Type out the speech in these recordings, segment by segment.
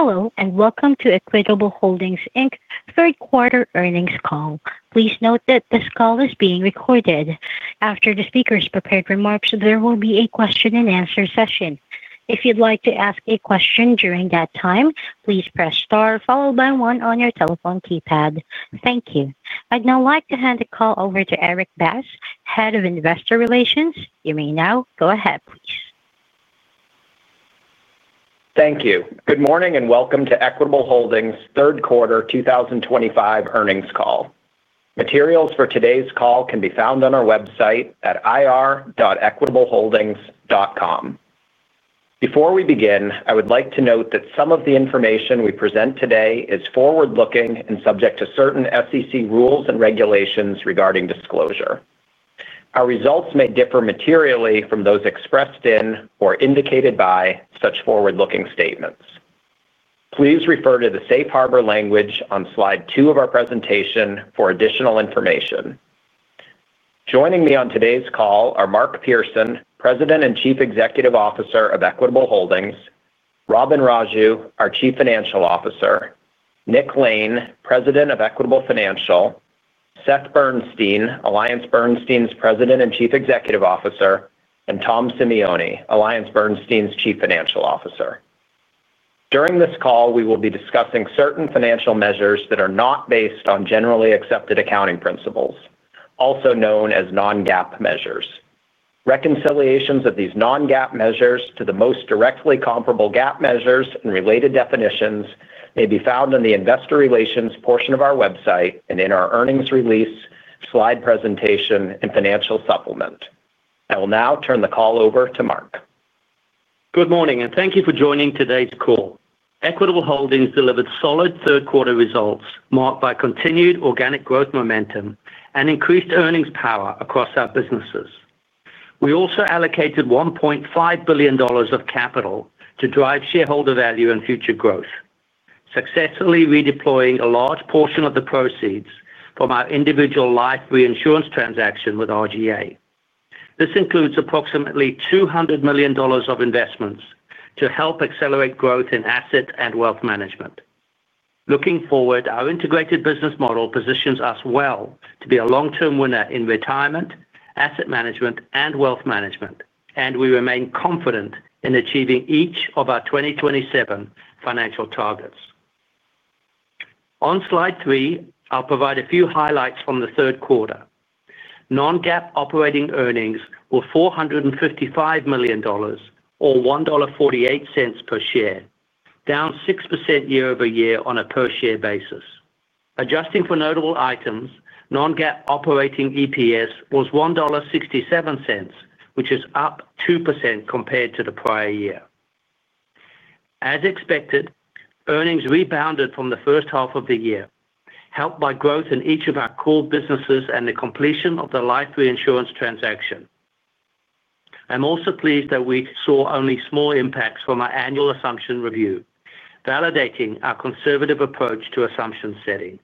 Hello, and welcome to Equitable Holdings, Inc's third-quarter earnings call. Please note that this call is being recorded. After the speaker's prepared remarks, there will be a question-and-answer session. If you'd like to ask a question during that time, please press star followed by one on your telephone keypad. Thank you. I'd now like to hand the call over to Erik Bass, Head of Investor Relations. You may now go ahead, please. Thank you. Good morning and welcome to Equitable Holdings' third-quarter 2025 earnings call. Materials for today's call can be found on our website at ir.equitableholdings.com. Before we begin, I would like to note that some of the information we present today is forward-looking and subject to certain SEC rules and regulations regarding disclosure. Our results may differ materially from those expressed in or indicated by such forward-looking statements. Please refer to the safe harbor language on slide two of our presentation for additional information. Joining me on today's call are Mark Pearson, President and Chief Executive Officer of Equitable Holdings; Robin Raju, our Chief Financial Officer; Nick Lane, President of Equitable Financial; Seth Bernstein, AllianceBernstein's President and Chief Executive Officer; and Tom Simeone, AllianceBernstein's Chief Financial Officer. During this call, we will be discussing certain financial measures that are not based on generally accepted accounting principles, also known as non-GAAP measures. Reconciliations of these non-GAAP measures to the most directly comparable GAAP measures and related definitions may be found in the Investor Relations portion of our website and in our earnings release, slide presentation, and financial supplement. I will now turn the call over to Mark. Good morning, and thank you for joining today's call. Equitable Holdings delivered solid third-quarter results marked by continued organic growth momentum and increased earnings power across our businesses. We also allocated $1.5 billion of capital to drive shareholder value and future growth, successfully redeploying a large portion of the proceeds from our individual life reinsurance transaction with RGA. This includes approximately $200 million of investments to help accelerate growth in asset and Wealth Management. Looking forward, our integrated business model positions us well to be a long-term winner in retirement, asset management, and Wealth Management, and we remain confident in achieving each of our 2027 financial targets. On slide three, I'll provide a few highlights from the third quarter. Non-GAAP operating earnings were $455 million, or $1.48 per share, down 6% year-over-year on a per-share basis. Adjusting for notable items, non-GAAP operating EPS was $1.67, which is up 2% compared to the prior year. As expected, earnings rebounded from the first half of the year, helped by growth in each of our core businesses and the completion of the life reinsurance transaction. I'm also pleased that we saw only small impacts from our annual assumption review, validating our conservative approach to assumption setting.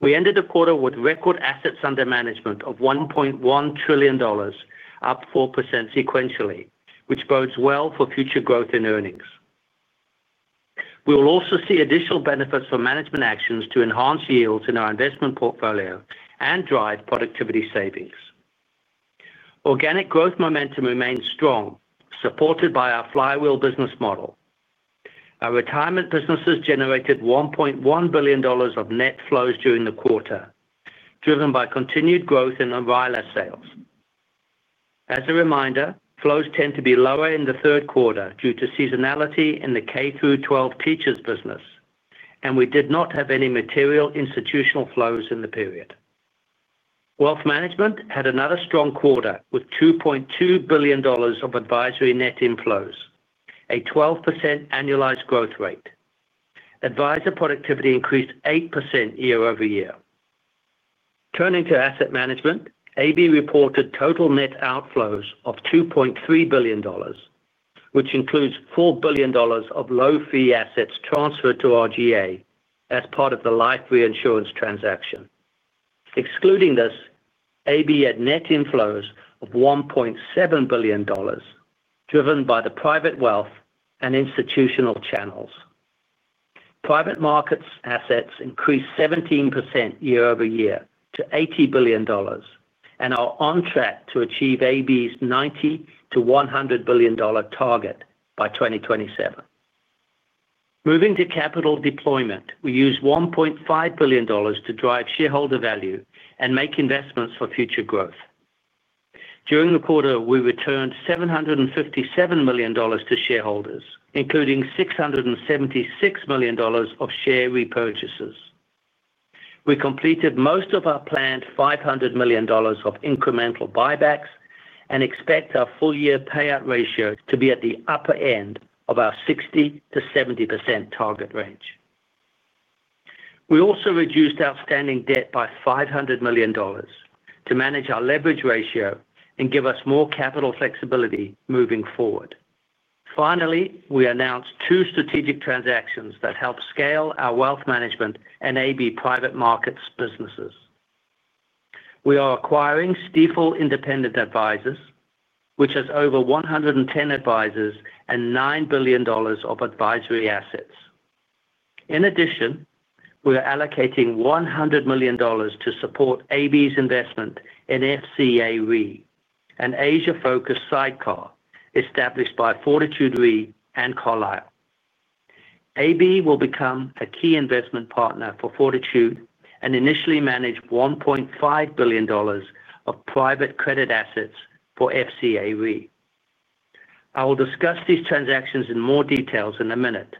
We ended the quarter with record assets under management of $1.1 trillion, up 4% sequentially, which bodes well for future growth in earnings. We will also see additional benefits from management actions to enhance yields in our investment portfolio and drive productivity savings. Organic growth momentum remained strong, supported by our flywheel business model. Our retirement businesses generated $1.1 billion of net flows during the quarter, driven by continued growth in umbrella sales. As a reminder, flows tend to be lower in the third quarter due to seasonality in the K-12 teachers' business. We did not have any material institutional flows in the period. Wealth Management had another strong quarter with $2.2 billion of advisory net inflows, a 12% annualized growth rate. Advisor productivity increased 8% year-over-year. Turning to asset management, AB reported total net outflows of $2.3 billion, which includes $4 billion of low-fee assets transferred to RGA as part of the life reinsurance transaction. Excluding this, AB had net inflows of $1.7 billion, driven by the private wealth and institutional channels. Private markets assets increased 17% year-over-year to $80 billion and are on track to achieve AB's $90-$100 billion target by 2027. Moving to capital deployment, we used $1.5 billion to drive shareholder value and make investments for future growth. During the quarter, we returned $757 million to shareholders, including $676 million of share repurchases. We completed most of our planned $500 million of incremental buybacks and expect our full-year payout ratio to be at the upper end of our 60%-70% target range. We also reduced outstanding debt by $500 million to manage our leverage ratio and give us more capital flexibility moving forward. Finally, we announced two strategic transactions that help scale our Wealth Management and AB Private Markets businesses. We are acquiring Stifel Independent Advisors, which has over 110 advisors and $9 billion of advisory assets. In addition, we are allocating $100 million to support AB's investment in FCA Re, an Asia-focused sidecar established by Fortitude Re and Carlyle. AB will become a key investment partner for Fortitude and initially manage $1.5 billion of private credit assets for FCA Re. I will discuss these transactions in more detail in a minute,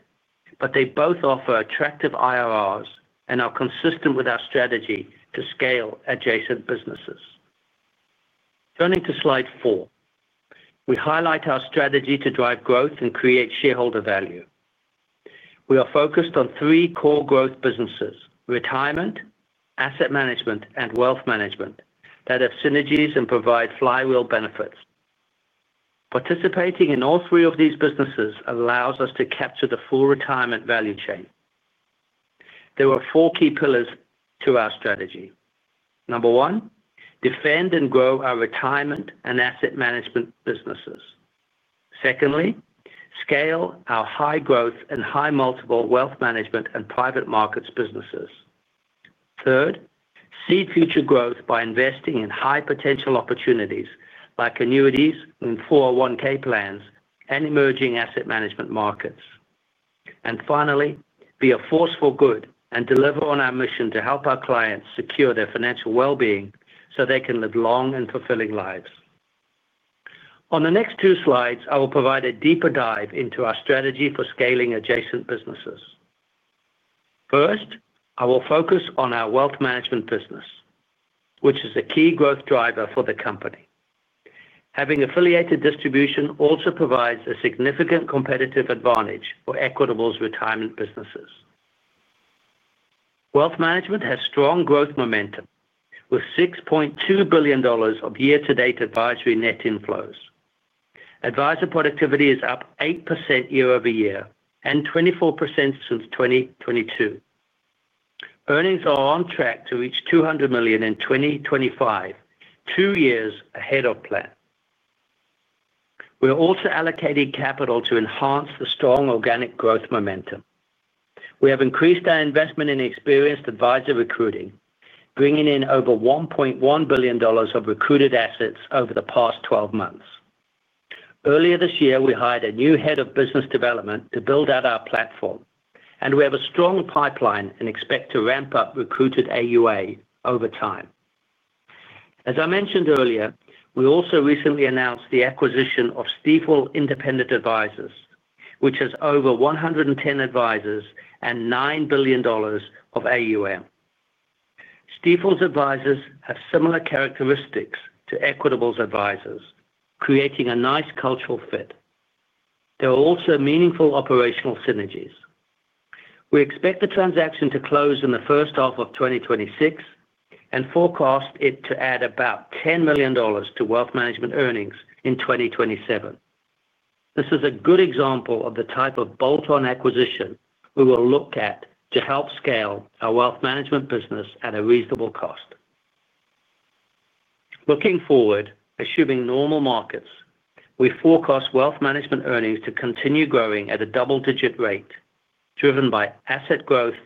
but they both offer attractive IRRs and are consistent with our strategy to scale adjacent businesses. Turning to slide four. We highlight our strategy to drive growth and create shareholder value. We are focused on three core growth businesses: retirement, asset management, and Wealth Management that have synergies and provide flywheel benefits. Participating in all three of these businesses allows us to capture the full retirement value chain. There are four key pillars to our strategy. Number one, defend and grow our retirement and asset management businesses. Secondly, scale our high-growth and high-multiple Wealth Management and private markets businesses. Third, seed future growth by investing in high-potential opportunities like annuities and 401(k) plans and emerging asset management markets. Finally, be a force for good and deliver on our mission to help our clients secure their financial well-being so they can live long and fulfilling lives. On the next two slides, I will provide a deeper dive into our strategy for scaling adjacent businesses. First, I will focus on our Wealth Management business, which is a key growth driver for the company. Having affiliated distribution also provides a significant competitive advantage for Equitable's retirement businesses. Wealth Management has strong growth momentum with $6.2 billion of year-to-date advisory net inflows. Advisor productivity is up 8% year-over-year and 24% since 2022. Earnings are on track to reach $200 million in 2025, two years ahead of plan. We are also allocating capital to enhance the strong organic growth momentum. We have increased our investment in experienced advisor recruiting, bringing in over $1.1 billion of recruited assets over the past 12 months. Earlier this year, we hired a new head of business development to build out our platform, and we have a strong pipeline and expect to ramp up recruited AUA over time. As I mentioned earlier, we also recently announced the acquisition of Stifel Independent Advisors, which has over 110 advisors and $9 billion of AUA. Stifel's advisors have similar characteristics to Equitable's advisors, creating a nice cultural fit. There are also meaningful operational synergies. We expect the transaction to close in the first half of 2026 and forecast it to add about $10 million to Wealth Management earnings in 2027. This is a good example of the type of bolt-on acquisition we will look at to help scale our Wealth Management business at a reasonable cost. Looking forward, assuming normal markets, we forecast Wealth Management earnings to continue growing at a double-digit rate, driven by asset growth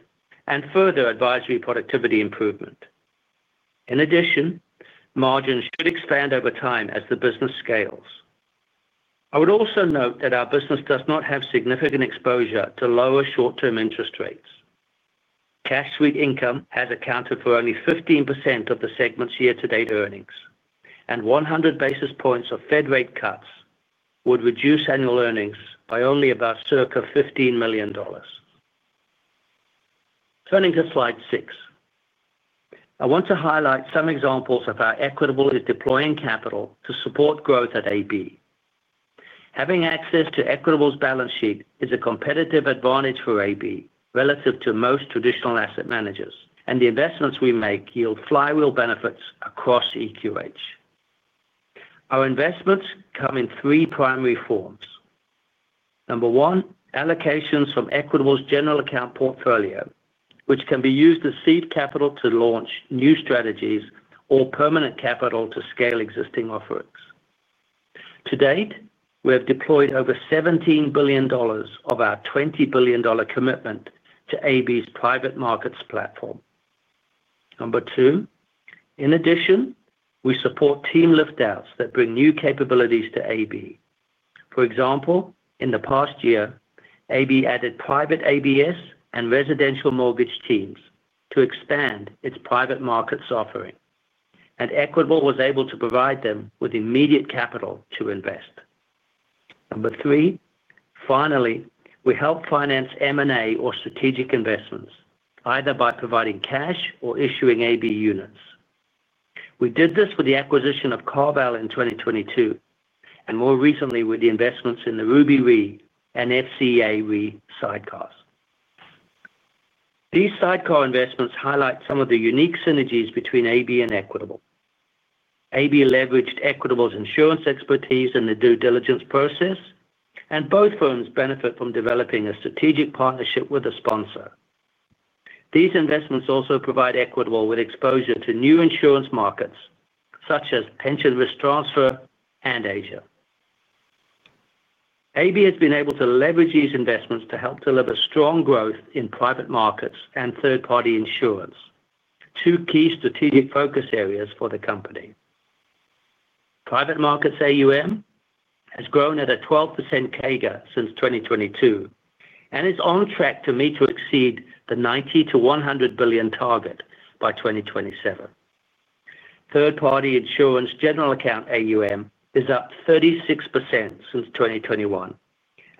and further advisory productivity improvement. In addition, margins should expand over time as the business scales. I would also note that our business does not have significant exposure to lower short-term interest rates. Cash sweep income has accounted for only 15% of the segment's year-to-date earnings, and 100 basis points of Fed rate cuts would reduce annual earnings by only about $15 million. Turning to slide six, I want to highlight some examples of how Equitable is deploying capital to support growth at AB. Having access to Equitable's balance sheet is a competitive advantage for AB relative to most traditional asset managers, and the investments we make yield flywheel benefits across EQH. Our investments come in three primary forms. Number one, allocations from Equitable's general account portfolio, which can be used as seed capital to launch new strategies or permanent capital to scale existing offerings. To date, we have deployed over $17 billion of our $20 billion commitment to AB's private markets platform. Number two, in addition, we support team liftouts that bring new capabilities to AB. For example, in the past year, AB added private ABS and residential mortgage teams to expand its private markets offering, and Equitable was able to provide them with immediate capital to invest. Number three, finally, we help finance M&A or strategic investments, either by providing cash or issuing AB units. We did this with the acquisition of CarVal in 2022, and more recently with the investments in the Ruby Re and FCA Re sidecars. These sidecar investments highlight some of the unique synergies between AB and Equitable. AB leveraged Equitable's insurance expertise in the due diligence process. Both firms benefit from developing a strategic partnership with a sponsor. These investments also provide Equitable with exposure to new insurance markets such as pension risk transfer and Asia. AB has been able to leverage these investments to help deliver strong growth in private markets and third-party insurance. Two key strategic focus areas for the company. Private markets AUM has grown at a 12% CAGR since 2022 and is on track to meet or exceed the $90 billion-$100 billion target by 2027. Third-party insurance general account AUM is up 36% since 2021,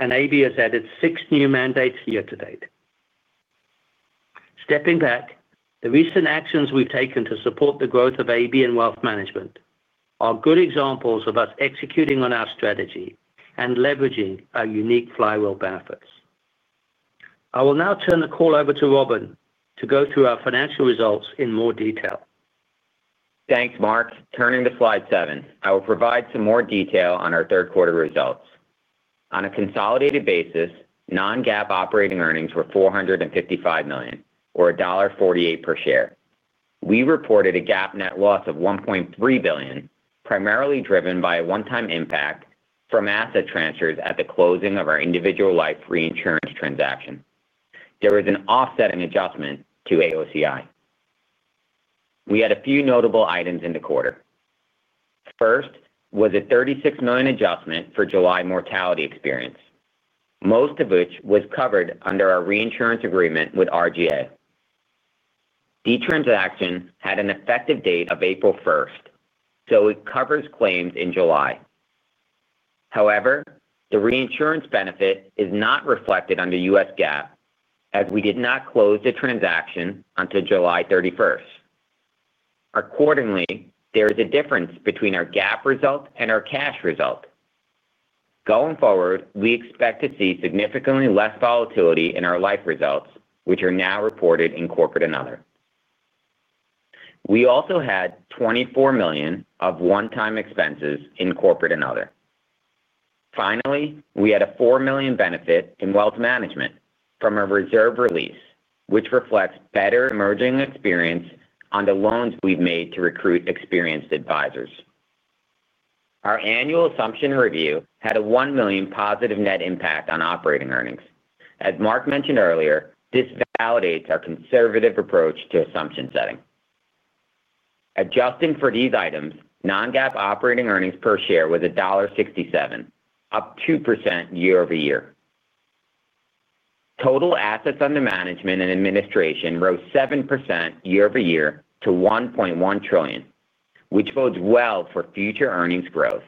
and AB has added six new mandates year-to-date. Stepping back, the recent actions we have taken to support the growth of AB in Wealth Management are good examples of us executing on our strategy and leveraging our unique flywheel benefits. I will now turn the call over to Robin to go through our financial results in more detail. Thanks, Mark. Turning to slide seven, I will provide some more detail on our third-quarter results. On a consolidated basis, non-GAAP operating earnings were $455 million, or $1.48 per share. We reported a GAAP net loss of $1.3 billion, primarily driven by a one-time impact from asset transfers at the closing of our individual life reinsurance transaction. There was an offsetting adjustment to AOCI. We had a few notable items in the quarter. First was a $36 million adjustment for July mortality experience, most of which was covered under our reinsurance agreement with RGA. The transaction had an effective date of April 1st, so it covers claims in July. However, the reinsurance benefit is not reflected under U.S. GAAP, as we did not close the transaction until July 31st. Accordingly, there is a difference between our GAAP result and our cash result. Going forward, we expect to see significantly less volatility in our life results, which are now reported in Corporate and Other. We also had $24 million of one-time expenses in Corporate and Other. Finally, we had a $4 million benefit in Wealth Management from a reserve release, which reflects better emerging experience on the loans we've made to recruit experienced advisors. Our annual assumption review had a $1 million positive net impact on operating earnings. As Mark mentioned earlier, this validates our conservative approach to assumption setting. Adjusting for these items, non-GAAP operating earnings per share was $1.67, up 2% year-over-year. Total assets under management and administration rose 7% year-over-year to $1.1 trillion, which bodes well for future earnings growth.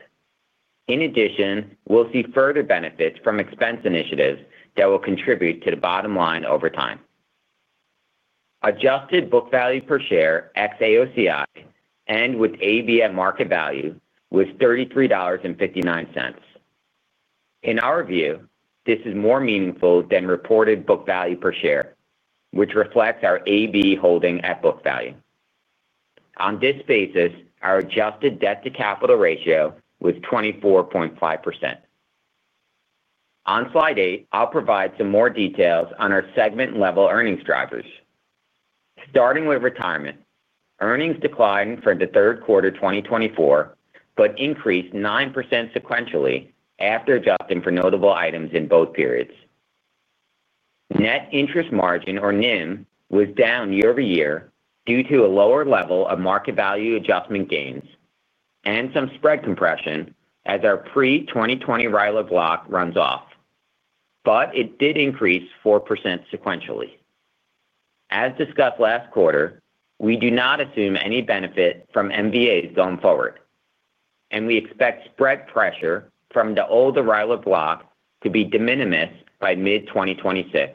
In addition, we'll see further benefits from expense initiatives that will contribute to the bottom line over time. Adjusted book value per share excluding AOCI and with AB at market value was $33.59. In our view, this is more meaningful than reported book value per share, which reflects our AB holding at book value. On this basis, our adjusted debt to capital ratio was 24.5%. On slide eight, I'll provide some more details on our segment-level earnings drivers. Starting with retirement, earnings declined for the third quarter 2024 but increased 9% sequentially after adjusting for notable items in both periods. Net interest margin, or NIM, was down year-over-year due to a lower level of market value adjustment gains and some spread compression as our pre-2020 RILA block runs off. It did increase 4% sequentially. As discussed last quarter, we do not assume any benefit from MVAs going forward. We expect spread pressure from the older RILA block to be de minimis by mid-2026.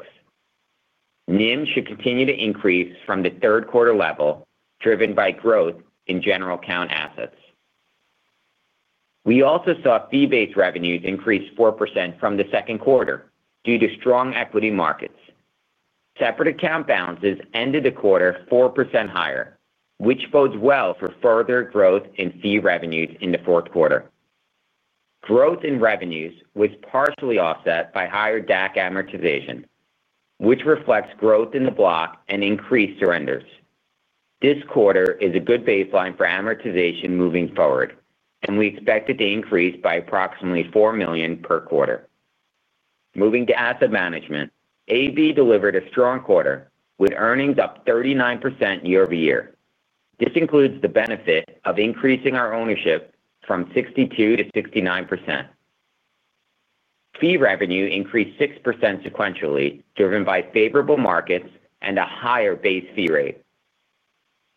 NIM should continue to increase from the third quarter level, driven by growth in general account assets. We also saw fee-based revenues increase 4% from the second quarter due to strong equity markets. Separate account balances ended the quarter 4% higher, which bodes well for further growth in fee revenues in the fourth quarter. Growth in revenues was partially offset by higher DAC amortization, which reflects growth in the block and increased surrenders. This quarter is a good baseline for amortization moving forward, and we expect it to increase by approximately $4 million per quarter. Moving to asset management, AB delivered a strong quarter with earnings up 39% year-over-year. This includes the benefit of increasing our ownership from 62%-69%. Fee revenue increased 6% sequentially, driven by favorable markets and a higher base fee rate.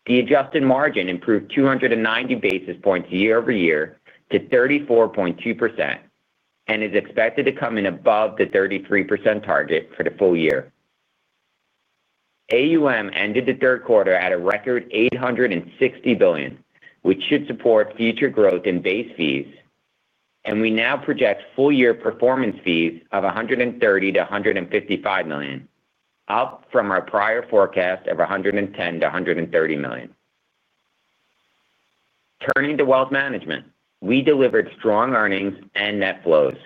The adjusted margin improved 290 basis points year-over-year to 34.2%. It is expected to come in above the 33% target for the full year. AUM ended the third quarter at a record $860 billion, which should support future growth in base fees. We now project full-year performance fees of $130 million-$155 million, up from our prior forecast of $110 million-$130 million. Turning to Wealth Management, we delivered strong earnings and net flows.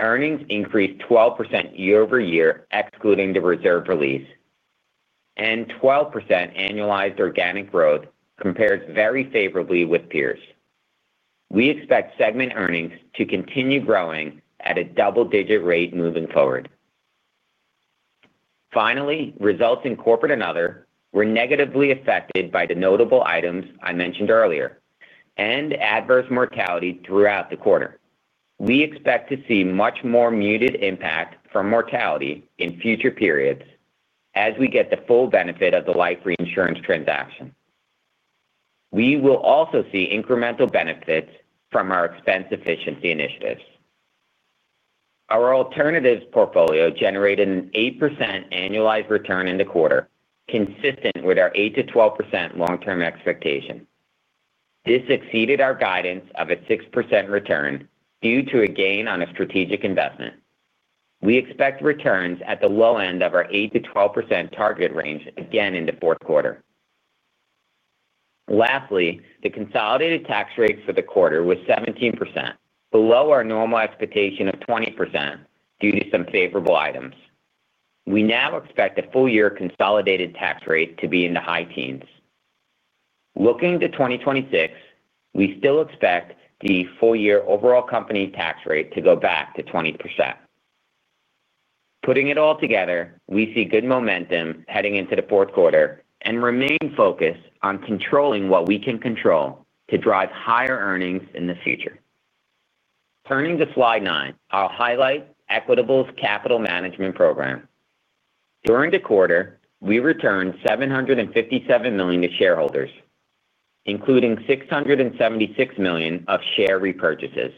Earnings increased 12% year-over-year, excluding the reserve release. Twelve percent annualized organic growth compares very favorably with peers. We expect segment earnings to continue growing at a double-digit rate moving forward. Finally, results in Corporate and Other were negatively affected by the notable items I mentioned earlier and adverse mortality throughout the quarter. We expect to see much more muted impact from mortality in future periods as we get the full benefit of the life reinsurance transaction. We will also see incremental benefits from our expense efficiency initiatives. Our alternatives portfolio generated an 8% annualized return in the quarter, consistent with our 85-12% long-term expectation. This exceeded our guidance of a 6% return due to a gain on a strategic investment. We expect returns at the low end of our 8%-12% target range again in the fourth quarter. Lastly, the consolidated tax rate for the quarter was 17%, below our normal expectation of 20% due to some favorable items. We now expect the full-year consolidated tax rate to be in the high teens. Looking to 2026, we still expect the full-year overall company tax rate to go back to 20%. Putting it all together, we see good momentum heading into the fourth quarter and remain focused on controlling what we can control to drive higher earnings in the future. Turning to slide nine, I'll highlight Equitable's capital management program. During the quarter, we returned $757 million to shareholders, including $676 million of share repurchases.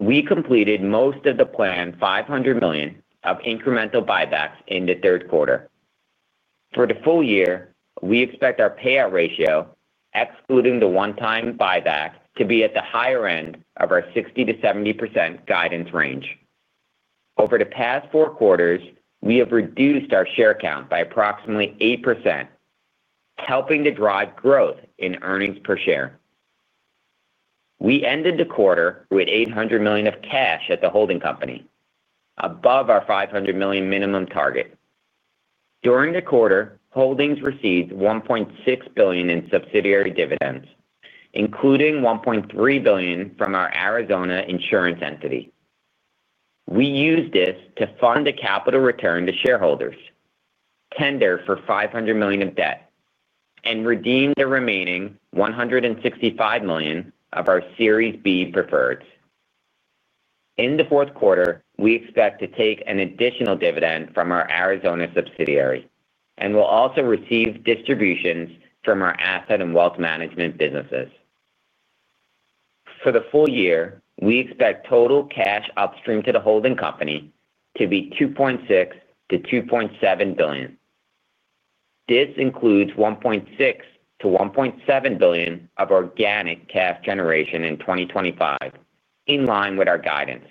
We completed most of the planned $500 million of incremental buybacks in the third quarter. For the full year, we expect our payout ratio, excluding the one-time buyback, to be at the higher end of our 60%-70% guidance range. Over the past four quarters, we have reduced our share count by approximately 8%, helping to drive growth in earnings per share. We ended the quarter with $800 million of cash at the holding company. Above our $500 million minimum target. During the quarter, Holdings received $1.6 billion in subsidiary dividends, including $1.3 billion from our Arizona insurance entity. We used this to fund a capital return to shareholders, tender for $500 million of debt, and redeem the remaining $165 million of our Series B preferreds. In the fourth quarter, we expect to take an additional dividend from our Arizona subsidiary and will also receive distributions from our asset and Wealth Management businesses. For the full year, we expect total cash upstream to the holding company to be $2.6 billion-$2.7 billion. This includes $1.6 billion-$1.7 billion of organic cash generation in 2025, in line with our guidance.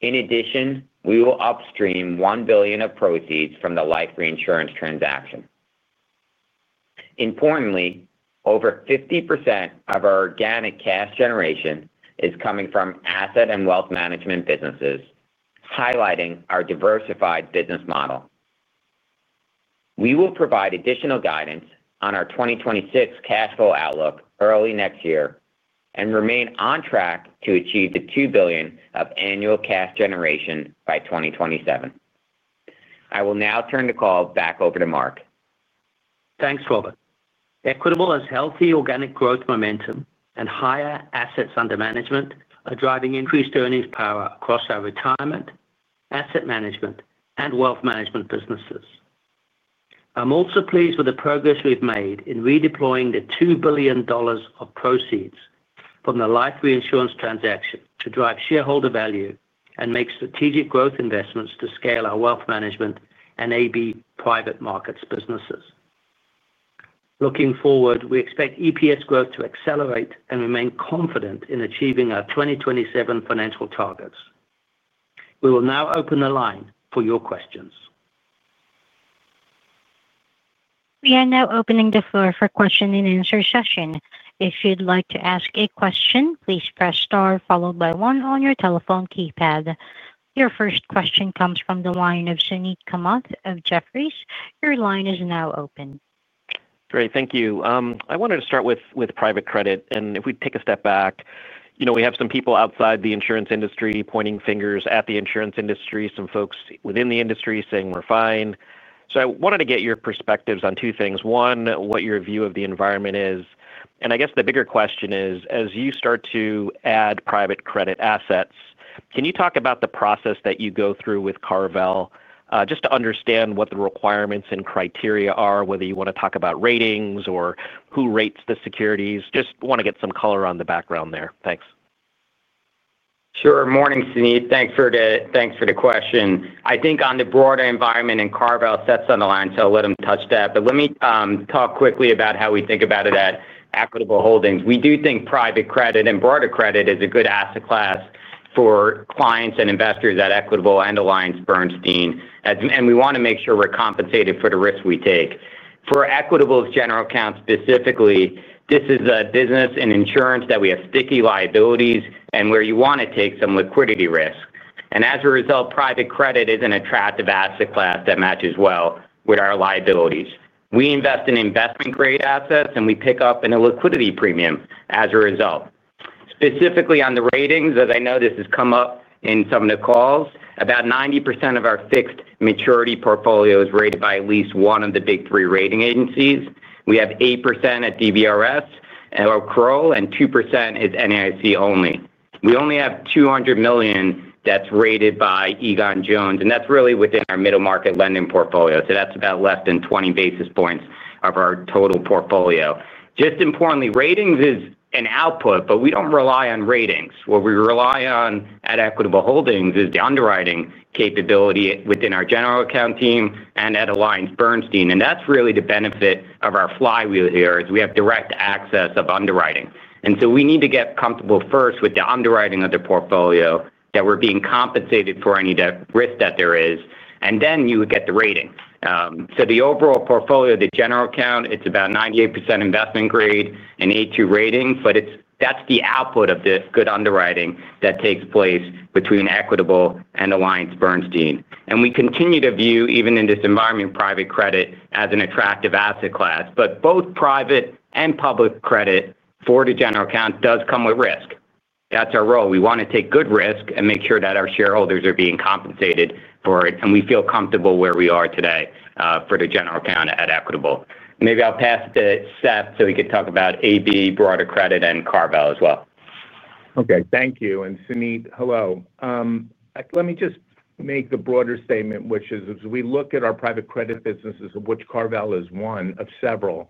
In addition, we will upstream $1 billion of proceeds from the life reinsurance transaction. Importantly, over 50% of our organic cash generation is coming from asset and Wealth Management businesses, highlighting our diversified business model. We will provide additional guidance on our 2026 cash flow outlook early next year and remain on track to achieve the $2 billion of annual cash generation by 2027. I will now turn the call back over to Mark. Thanks, Robin. Equitable has healthy organic growth momentum, and higher assets under management are driving increased earnings power across our retirement, asset management, and Wealth Management businesses. I'm also pleased with the progress we've made in redeploying the $2 billion of proceeds from the life reinsurance transaction to drive shareholder value and make strategic growth investments to scale our Wealth Management and AB private markets businesses. Looking forward, we expect EPS growth to accelerate and remain confident in achieving our 2027 financial targets. We will now open the line for your questions. We are now opening the floor for question and answer session. If you'd like to ask a question, please press star followed by one on your telephone keypad. Your first question comes from the line of Suneet Kamath of Jefferies. Your line is now open. Great. Thank you. I wanted to start with private credit. If we take a step back, we have some people outside the insurance industry pointing fingers at the insurance industry, some folks within the industry saying we're fine. I wanted to get your perspectives on two things. One, what your view of the environment is. I guess the bigger question is, as you start to add private credit assets, can you talk about the process that you go through with CarVal just to understand what the requirements and criteria are, whether you want to talk about ratings or who rates the securities? Just want to get some color on the background there. Thanks. Sure. Morning, Suneet. Thanks for the question. I think on the broader environment and CarVal sits on the line, so I'll let him touch that. Let me talk quickly about how we think about it at Equitable Holdings. We do think private credit and broader credit is a good asset class for clients and investors at Equitable and AllianceBernstein. We want to make sure we're compensated for the risk we take. For Equitable's general account specifically, this is a business and insurance that we have sticky liabilities and where you want to take some liquidity risk. As a result, private credit is an attractive asset class that matches well with our liabilities. We invest in investment-grade assets, and we pick up a liquidity premium as a result. Specifically on the ratings, as I know this has come up in some of the calls, about 90% of our fixed maturity portfolio is rated by at least one of the big three rating agencies. We have 8% at DBRS or Kroll, and 2% is NAIC only. We only have $200 million that's rated by Egan-Jones, and that's really within our middle market lending portfolio. So that's about less than 20 basis points of our total portfolio. Just importantly, ratings is an output, but we do not rely on ratings. What we rely on at Equitable Holdings is the underwriting capability within our general account team and at AllianceBernstein. And that's really the benefit of our flywheel here is we have direct access of underwriting. We need to get comfortable first with the underwriting of the portfolio that we're being compensated for any risk that there is, and then you would get the rating. The overall portfolio, the general account, it's about 98% investment grade and A2 rating, but that's the output of this good underwriting that takes place between Equitable and AllianceBernstein. We continue to view, even in this environment, private credit as an attractive asset class. Both private and public credit for the general account does come with risk. That's our role. We want to take good risk and make sure that our shareholders are being compensated for it, and we feel comfortable where we are today for the general account at Equitable. Maybe I'll pass to Seth so he could talk about AB, broader credit, and CarVal as well. Okay. Thank you. And Suneet, hello. Let me just make the broader statement, which is as we look at our private credit businesses, of which CarVal is one of several.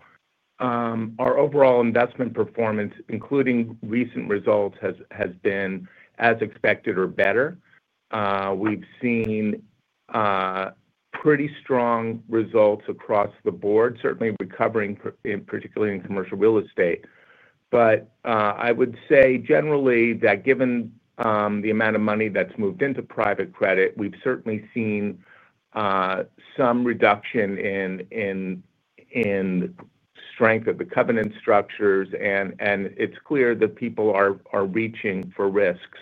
Our overall investment performance, including recent results, has been as expected or better. We've seen pretty strong results across the board, certainly recovering, particularly in commercial real estate. I would say generally that given the amount of money that's moved into private credit, we've certainly seen some reduction in strength of the covenant structures, and it's clear that people are reaching for risks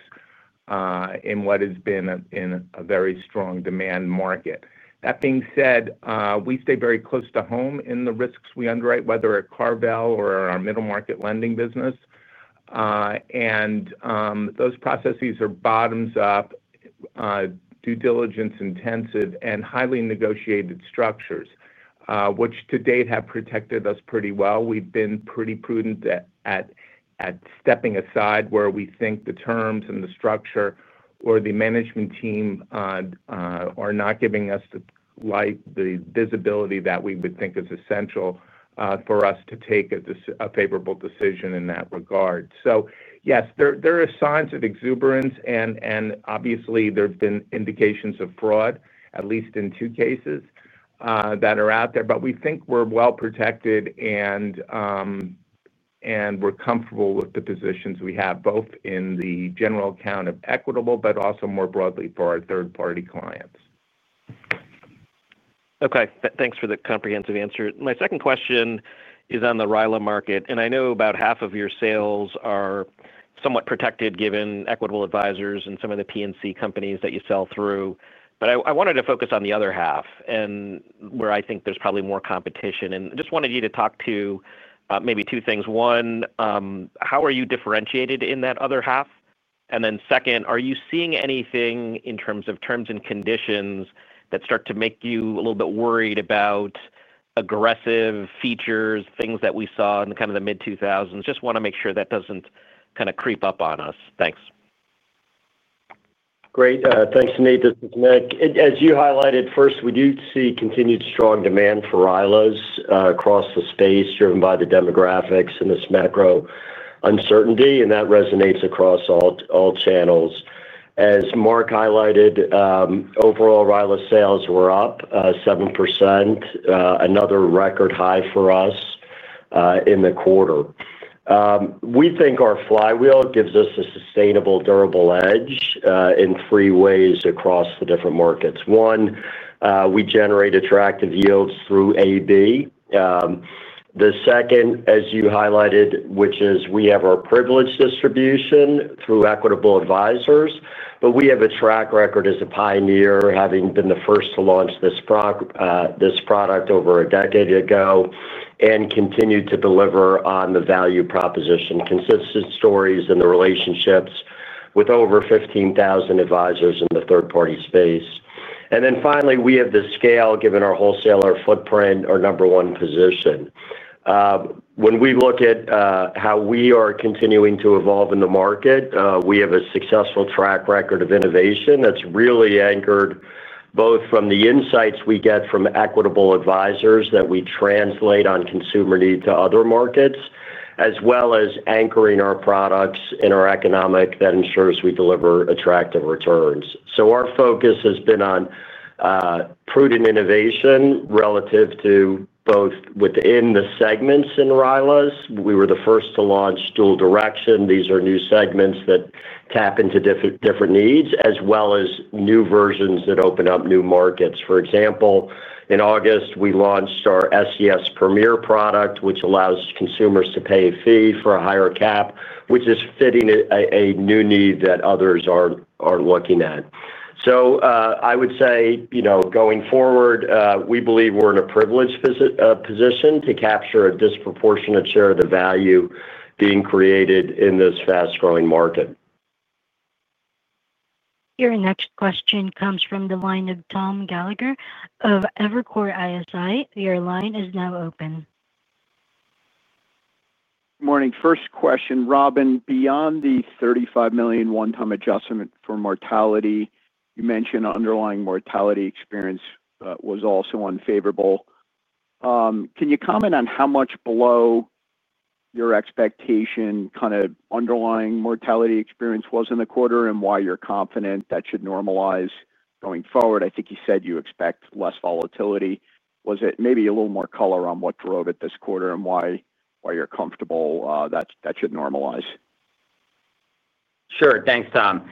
in what has been a very strong demand market. That being said, we stay very close to home in the risks we underwrite, whether at CarVal or our middle market lending business. Those processes are bottoms-up, due diligence-intensive, and highly negotiated structures, which to date have protected us pretty well. We've been pretty prudent at. Stepping aside where we think the terms and the structure or the management team are not giving us the visibility that we would think is essential for us to take a favorable decision in that regard. Yes, there are signs of exuberance, and obviously, there have been indications of fraud, at least in two cases, that are out there. We think we're well protected and we're comfortable with the positions we have, both in the general account of Equitable but also more broadly for our third-party clients. Okay. Thanks for the comprehensive answer. My second question is on the RILA market. I know about half of your sales are somewhat protected given Equitable Advisors and some of the P&C companies that you sell through. I wanted to focus on the other half and where I think there's probably more competition. Just wanted you to talk to maybe two things. One, how are you differentiated in that other half? Second, are you seeing anything in terms of terms and conditions that start to make you a little bit worried about aggressive features, things that we saw in kind of the mid-2000s? Just want to make sure that does not kind of creep up on us. Thanks. Great, thanks, Suneet. This is Nick. As you highlighted, first, we do see continued strong demand for RILAs across the space driven by the demographics and this macro uncertainty, and that resonates across all channels. As Mark highlighted, overall, RILA sales were up 7%. Another record high for us in the quarter. We think our flywheel gives us a sustainable, durable edge in three ways across the different markets. One, we generate attractive yields through AB. The second, as you highlighted, which is we have our privileged distribution through Equitable Advisors, but we have a track record as a pioneer, having been the first to launch this product over a decade ago and continue to deliver on the value proposition, consistent stories, and the relationships with over 15,000 advisors in the third-party space. Finally, we have the scale, given our wholesaler footprint, our number one position. When we look at how we are continuing to evolve in the market, we have a successful track record of innovation that's really anchored both from the insights we get from Equitable Advisors that we translate on consumer need to other markets, as well as anchoring our products in our economic that ensures we deliver attractive returns. Our focus has been on prudent innovation relative to both within the segments in RILAs. We were the first to launch dual direction. These are new segments that tap into different needs, as well as new versions that open up new markets. For example, in August, we launched our SES Premier product, which allows consumers to pay a fee for a higher cap, which is fitting a new need that others are looking at. I would say, going forward, we believe we're in a privileged position to capture a disproportionate share of the value being created in this fast-growing market. Your next question comes from the line of Tom Gallagher of Evercore ISI. Your line is now open. Morning. First question, Robin. Beyond the $35 million one-time adjustment for mortality, you mentioned underlying mortality experience was also unfavorable. Can you comment on how much below. Your expectation kind of underlying mortality experience was in the quarter and why you're confident that should normalize going forward? I think you said you expect less volatility. Maybe a little more color on what drove it this quarter and why you're comfortable that should normalize. Sure. Thanks, Tom.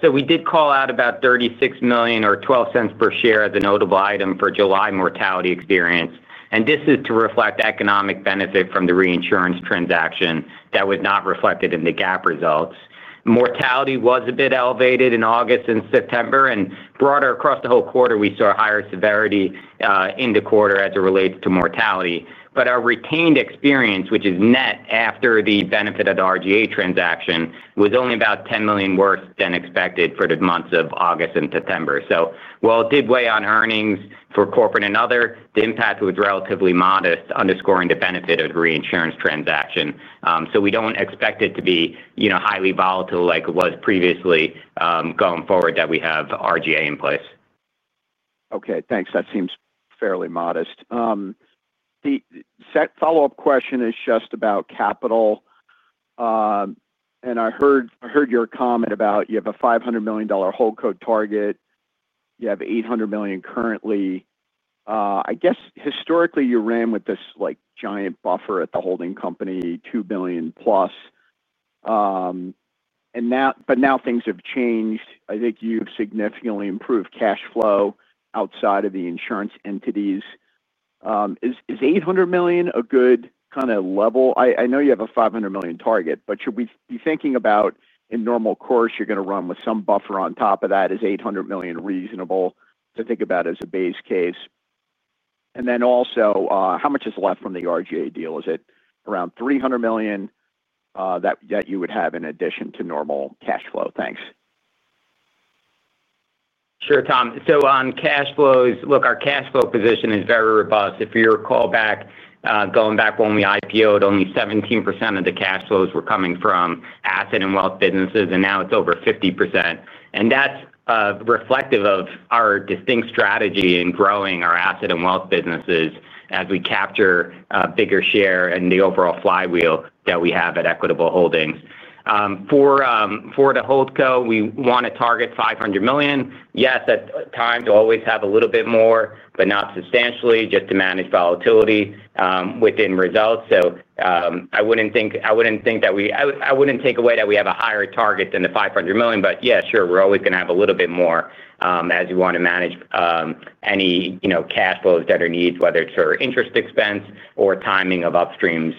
So we did call out about $36 million or $0.12 per share as a notable item for July mortality experience. And this is to reflect economic benefit from the reinsurance transaction that was not reflected in the GAAP results. Mortality was a bit elevated in August and September, and broader across the whole quarter, we saw higher severity in the quarter as it relates to mortality. But our retained experience, which is net after the benefit of the RGA transaction, was only about $10 million worse than expected for the months of August and September. While it did weigh on earnings for corporate and other, the impact was relatively modest, underscoring the benefit of the reinsurance transaction. We do not expect it to be highly volatile like it was previously going forward now that we have RGA in place. Okay. Thanks. That seems fairly modest. The follow-up question is just about capital. I heard your comment about you have a $500 million HoldCo target. You have $800 million currently. I guess historically, you ran with this giant buffer at the holding company, $2+ billion. Now things have changed. I think you have significantly improved cash flow outside of the insurance entities. Is $800 million a good kind of level? I know you have a $500 million target, but should we be thinking about, in normal course, you are going to run with some buffer on top of that? Is $800 million reasonable to think about as a base case? Also, how much is left from the RGA deal? Is it around $300 million that you would have in addition to normal cash flow? Thanks. Sure, Tom. On cash flows, look, our cash flow position is very robust. If you recall, going back when we IPOed, only 17% of the cash flows were coming from asset and wealth businesses, and now it is over 50%. That is reflective of our distinct strategy in growing our asset and wealth businesses as we capture a bigger share in the overall flywheel that we have at Equitable Holdings. For the HoldCo, we want to target $500 million. Yes, at times, we always have a little bit more, but not substantially, just to manage volatility within results. I would not think that we—I would not take away that we have a higher target than the $500 million, but yeah, sure, we are always going to have a little bit more as you want to manage any cash flows that are needed, whether it is for interest expense or timing of upstreams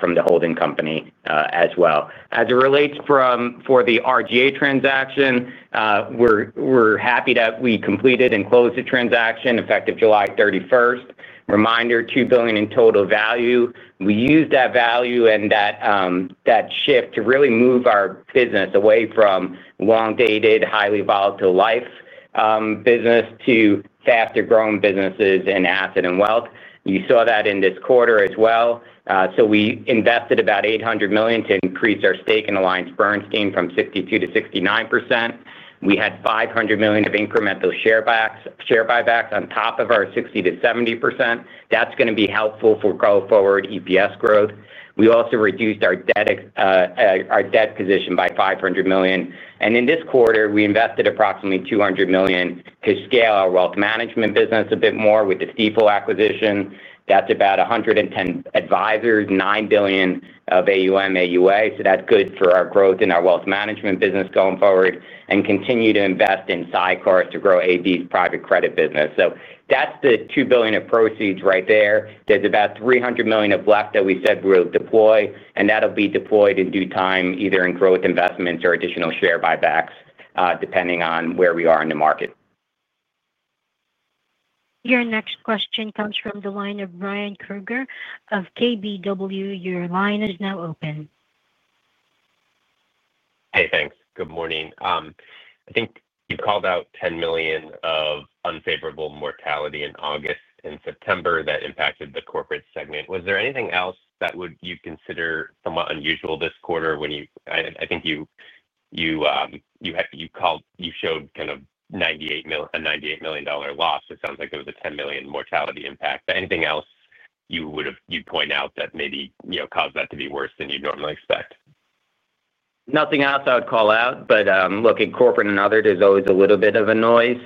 from the holding company as well. As it relates to the RGA transaction, we are happy that we completed and closed the transaction effective July 31st. Reminder, $2 billion in total value. We used that value and that shift to really move our business away from long-dated, highly volatile life business to faster-growing businesses in asset and wealth. You saw that in this quarter as well. We invested about $800 million to increase our stake in AllianceBernstein from 62%-69%. We had $500 million of incremental share buybacks on top of our 60%-70%. That's going to be helpful for growth forward EPS growth. We also reduced our debt position by $500 million. In this quarter, we invested approximately $200 million to scale our Wealth Management business a bit more with the Stifel acquisition. That's about 110 advisors, $9 billion of AUM/AUA. That is good for our growth in our Wealth Management business going forward and continue to invest in sidecar to grow AB's private credit business. That is the $2 billion of proceeds right there. There is about $300 million left that we said we'll deploy, and that'll be deployed in due time, either in growth investments or additional share buybacks, depending on where we are in the market. Your next question comes from the line of Ryan Krueger of KBW. Your line is now open. Hey, thanks. Good morning. I think you called out $10 million of unfavorable mortality in August and September that impacted the corporate segment. Was there anything else that you'd consider somewhat unusual this quarter? I think you showed kind of a $98 million loss. It sounds like there was a $10 million mortality impact. Anything else you'd point out that maybe caused that to be worse than you'd normally expect? Nothing else I would call out. Look, in corporate and others, there's always a little bit of noise.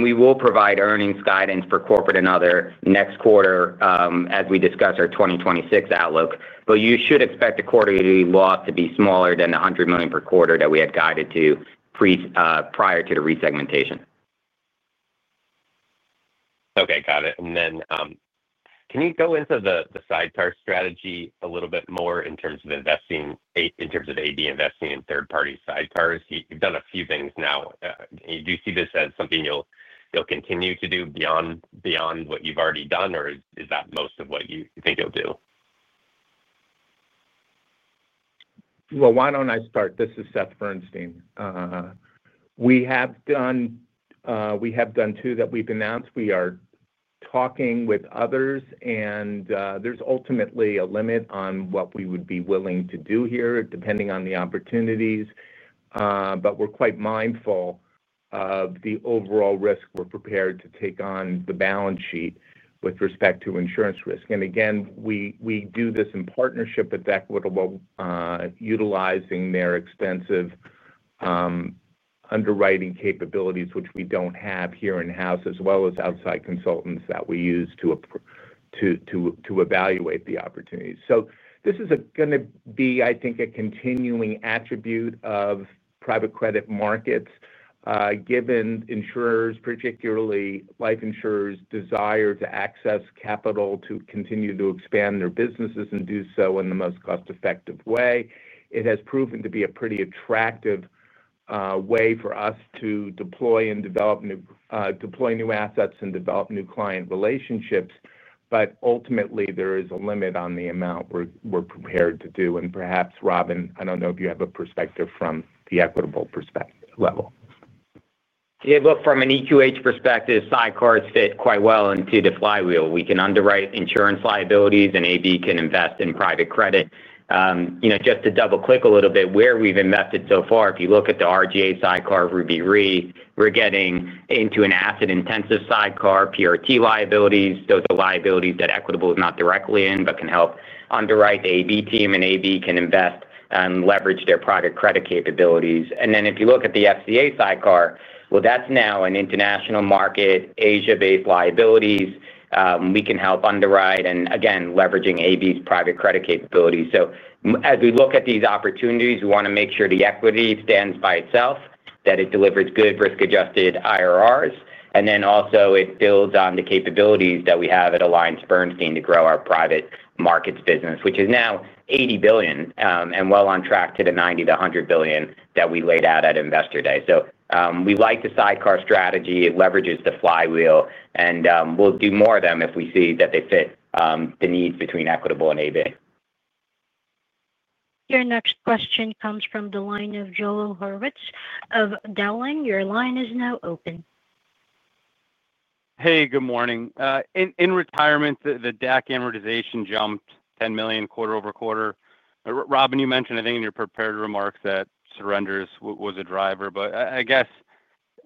We will provide earnings guidance for corporate and other next quarter as we discuss our 2026 outlook. You should expect the quarterly loss to be smaller than the $100 million per quarter that we had guided to prior to the resegmentation. Okay. Got it. Then. Can you go into the sidecar strategy a little bit more in terms of investing, in terms of AB investing in third-party sidecars? You've done a few things now. Do you see this as something you'll continue to do beyond what you've already done, or is that most of what you think you'll do? I will start. This is Seth Bernstein. We have done two that we've announced. We are talking with others, and there is ultimately a limit on what we would be willing to do here, depending on the opportunities. We are quite mindful of the overall risk we are prepared to take on the balance sheet with respect to insurance risk. We do this in partnership with Equitable, utilizing their extensive underwriting capabilities, which we do not have here in-house, as well as outside consultants that we use to evaluate the opportunities. This is going to be, I think, a continuing attribute of private credit markets. Given insurers, particularly life insurers', desire to access capital to continue to expand their businesses and do so in the most cost-effective way. It has proven to be a pretty attractive way for us to deploy and develop new assets and develop new client relationships. Ultimately, there is a limit on the amount we're prepared to do. Perhaps, Robin, I don't know if you have a perspective from the Equitable perspective level. Yeah. Look, from an EQH perspective, sidecars fit quite well into the flywheel. We can underwrite insurance liabilities, and AB can invest in private credit. Just to double-click a little bit where we've invested so far, if you look at the RGA sidecar Ruby Re, we're getting into an asset-intensive sidecar, PRT liabilities, those liabilities that Equitable is not directly in but can help underwrite the AB team, and AB can invest and leverage their private credit capabilities. If you look at the FCA sidecar, that's now an international market, Asia-based liabilities. We can help underwrite and, again, leveraging AB's private credit capabilities. As we look at these opportunities, we want to make sure the equity stands by itself, that it delivers good risk-adjusted IRRs. It also builds on the capabilities that we have at AllianceBernstein to grow our private markets business, which is now $80 billion and well on track to the $90 billion-$100 billion that we laid out at investor day. We like the sidecar strategy. It leverages the flywheel. We will do more of them if we see that they fit the needs between Equitable and AB. Your next question comes from the line of Joel Hurwitz of Dowling. Your line is now open. Hey, good morning. In retirement, the DAC amortization jumped $10 million quarter over quarter. Robin, you mentioned, I think, in your prepared remarks that surrenders was a driver. I guess,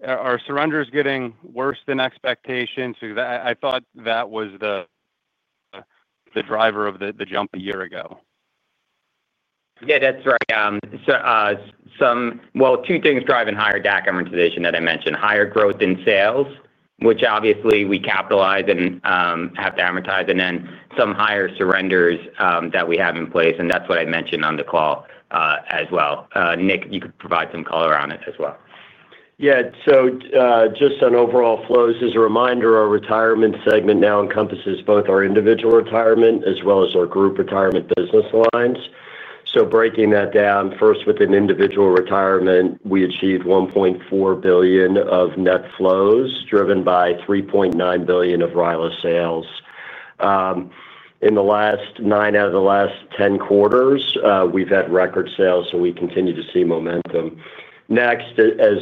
are surrenders getting worse than expectations? Because I thought that was the driver of the jump a year ago. That is right. Two things drive higher DAC amortization that I mentioned: higher growth in sales, which obviously we capitalize and have to amortize, and then some higher surrenders that we have in place. That is what I mentioned on the call as well. Nick, you could provide some color on it as well. Yeah. Just on overall flows, as a reminder, our retirement segment now encompasses both our individual retirement as well as our group retirement business lines. Breaking that down, first, with individual retirement, we achieved $1.4 billion of net flows driven by $3.9 billion of RILA sales. In the last nine out of the last 10 quarters, we've had record sales, so we continue to see momentum. Next, as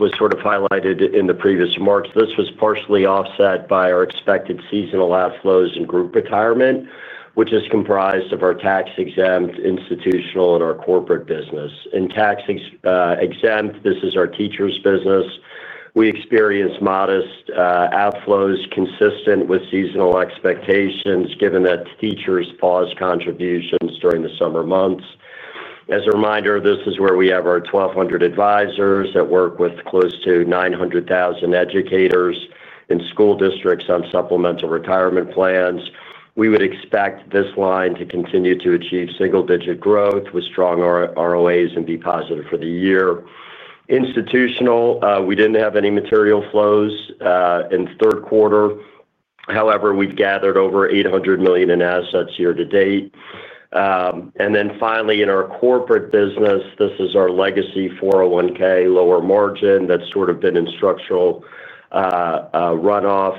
was sort of highlighted in the previous marks, this was partially offset by our expected seasonal outflows in group retirement, which is comprised of our tax-exempt institutional and our corporate business. In tax-exempt, this is our teachers' business. We experienced modest outflows consistent with seasonal expectations, given that teachers paused contributions during the summer months. As a reminder, this is where we have our 1,200 advisors that work with close to 900,000 educators in school districts on supplemental retirement plans. We would expect this line to continue to achieve single-digit growth with strong ROAs and be positive for the year. Institutional, we did not have any material flows. In third quarter, however, we have gathered over $800 million in assets year to date. Finally, in our corporate business, this is our legacy 401(k) lower margin that has sort of been in structural runoff.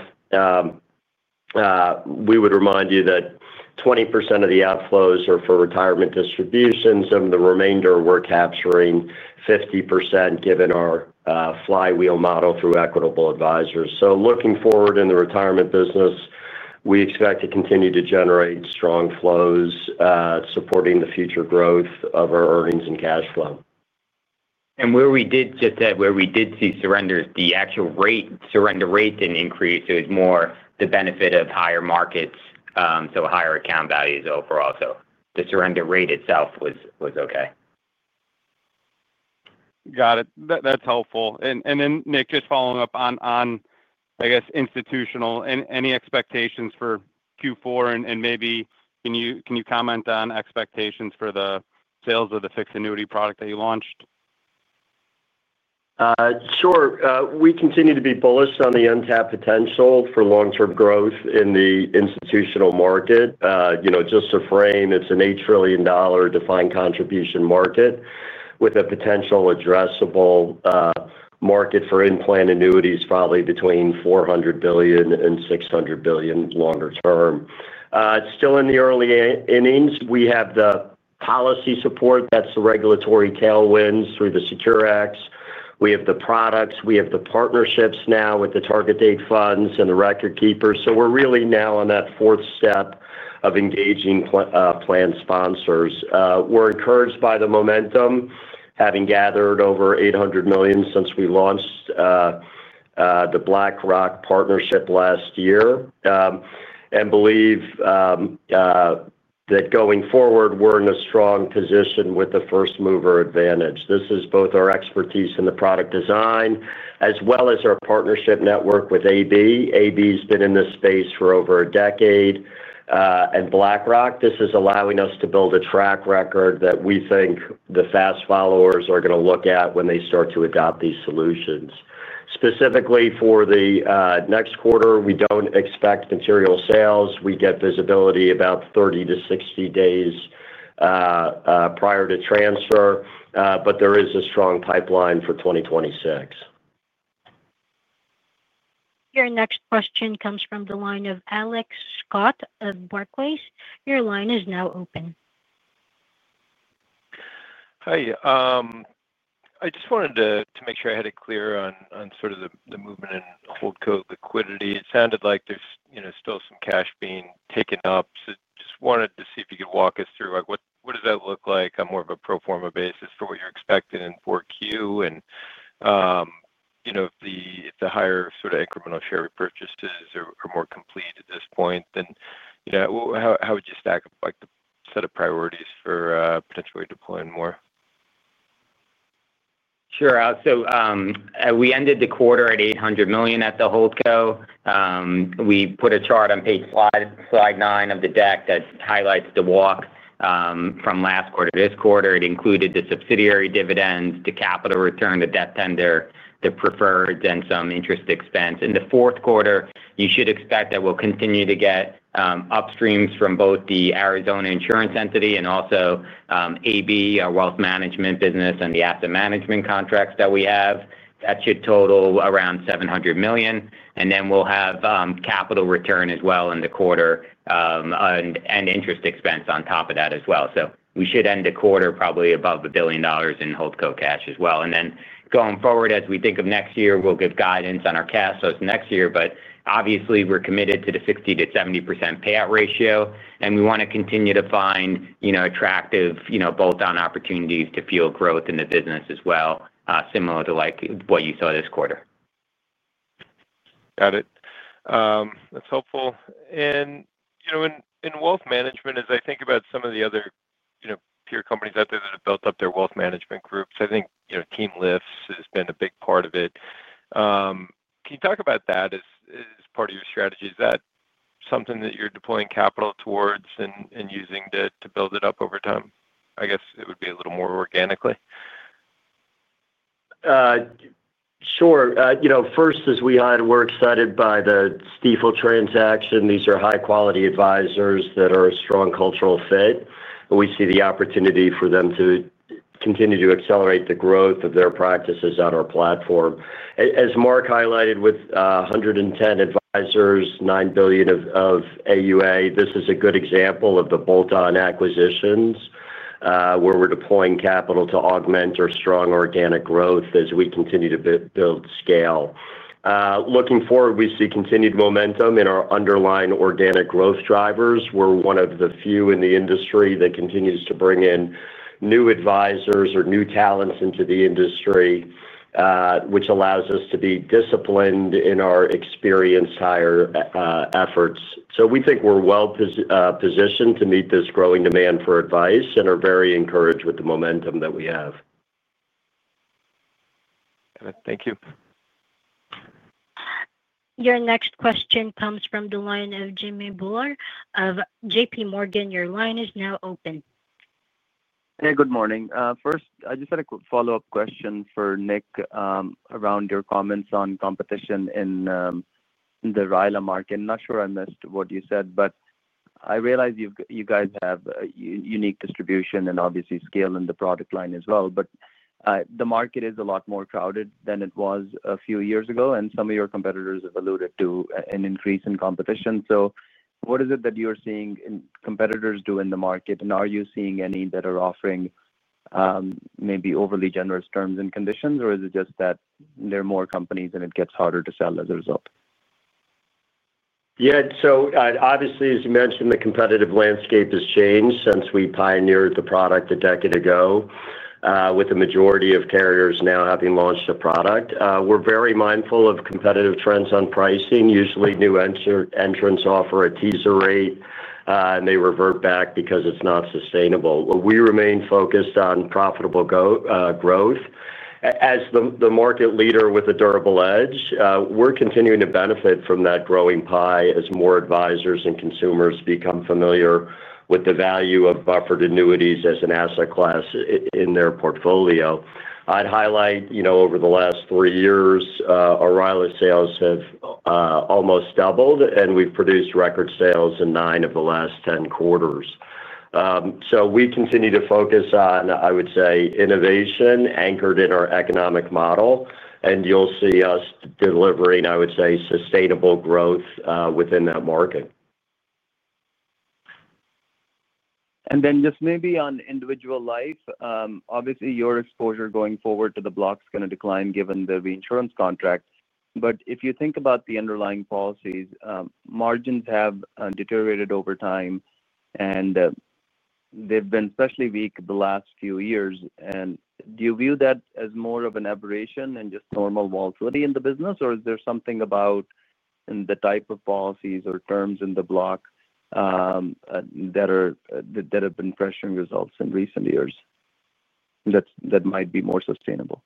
We would remind you that 20% of the outflows are for retirement distributions, and the remainder we are capturing 50% given our flywheel model through Equitable Advisors. Looking forward in the retirement business, we expect to continue to generate strong flows, supporting the future growth of our earnings and cash flow. Where we did get that, where we did see surrenders, the actual surrender rate did not increase. It was more the benefit of higher markets, so higher account values overall. The surrender rate itself was okay. Got it. That is helpful. Nick, just following up on, I guess, institutional, any expectations for Q4? Maybe can you comment on expectations for the sales of the fixed annuity product that you launched? Sure. We continue to be bullish on the untapped potential for long-term growth in the institutional market. Just to frame, it is an $8 trillion defined contribution market with a potential addressable market for in-plan annuities probably between $400 billion and $600 billion longer term. It is still in the early innings. We have the policy support. That is the regulatory tailwinds through the SECURE Acts. We have the products. We have the partnerships now with the target date funds and the record keeper. We are really now on that fourth step of engaging plan sponsors. We are encouraged by the momentum, having gathered over $800 million since we launched the BlackRock partnership last year. We believe that going forward, we are in a strong position with the first mover advantage. This is both our expertise in the product design as well as our partnership network with AB. AB has been in this space for over a decade. BlackRock, this is allowing us to build a track record that we think the fast followers are going to look at when they start to adopt these solutions. Specifically for the next quarter, we do not expect material sales. We get visibility about 30-60 days prior to transfer, but there is a strong pipeline for 2026. Your next question comes from the line of Alex Scott of Barclays. Your line is now open. Hi. I just wanted to make sure I had it clear on sort of the movement in HoldCo liquidity. It sounded like there's still some cash being taken up. I just wanted to see if you could walk us through what does that look like on more of a pro forma basis for what you're expecting in 4Q? If the higher sort of incremental share repurchases are more complete at this point, then how would you stack up the set of priorities for potentially deploying more? Sure. We ended the quarter at $800 million at the HoldCo. We put a chart on page slide nine of the deck that highlights the walk from last quarter to this quarter. It included the subsidiary dividends, the capital return, the debt tender, the preferred, and some interest expense. In the fourth quarter, you should expect that we'll continue to get upstreams from both the Arizona insurance entity and also AB, our Wealth Management business, and the asset management contracts that we have. That should total around $700 million. We will have capital return as well in the quarter. Interest expense on top of that as well. We should end the quarter probably above $1 billion in HoldCo cash as well. Going forward, as we think of next year, we'll give guidance on our cash flows next year. Obviously, we're committed to the 60%-70% payout ratio. We want to continue to find attractive bolt-on opportunities to fuel growth in the business as well, similar to what you saw this quarter. Got it. That's helpful. In Wealth Management, as I think about some of the other peer companies out there that have built up their Wealth Management groups, I think team lifts has been a big part of it. Can you talk about that as part of your strategy? Is that something that you're deploying capital towards and using to build it up over time? I guess it would be a little more organically. Sure. First, as we add, we're excited by the Stifel transaction. These are high-quality advisors that are a strong cultural fit. We see the opportunity for them to continue to accelerate the growth of their practices on our platform. As Mark highlighted, with 110 advisors, $9 billion of AUA, this is a good example of the bolt-on acquisitions where we're deploying capital to augment our strong organic growth as we continue to build scale. Looking forward, we see continued momentum in our underlying organic growth drivers. We're one of the few in the industry that continues to bring in new advisors or new talents into the industry, which allows us to be disciplined in our experienced hire efforts. We think we're well-positioned to meet this growing demand for advice and are very encouraged with the momentum that we have. Got it. Thank you. Your next question comes from the line of Jimmy Bhullar of JPMorgan. Your line is now open. Hey, good morning. First, I just had a quick follow-up question for Nick around your comments on competition in the RILA market. Not sure I missed what you said, but I realize you guys have unique distribution and obviously scale in the product line as well. The market is a lot more crowded than it was a few years ago, and some of your competitors have alluded to an increase in competition. What is it that you're seeing competitors do in the market? Are you seeing any that are offering maybe overly generous terms and conditions, or is it just that there are more companies and it gets harder to sell as a result? Yeah. Obviously, as you mentioned, the competitive landscape has changed since we pioneered the product a decade ago. With the majority of carriers now having launched the product, we're very mindful of competitive trends on pricing. Usually, new entrants offer a teaser rate, and they revert back because it's not sustainable. We remain focused on profitable growth. As the market leader with a durable edge, we're continuing to benefit from that growing pie as more advisors and consumers become familiar with the value of buffered annuities as an asset class in their portfolio. I'd highlight over the last three years, our RILA sales have almost doubled, and we've produced record sales in nine of the last 10 quarters. We continue to focus on, I would say, innovation anchored in our economic model. You'll see us delivering, I would say, sustainable growth within that market. Just maybe on individual life, obviously, your exposure going forward to the block is going to decline given the reinsurance contract. If you think about the underlying policies, margins have deteriorated over time. They've been especially weak the last few years. Do you view that as more of an aberration and just normal volatility in the business, or is there something about the type of policies or terms in the block that have been pressuring results in recent years that might be more sustainable?